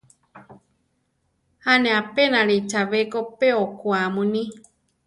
A ne apénali chabé ko pe okwá muní.